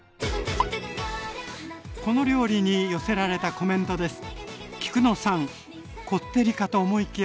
この料理に寄せられたコメントです。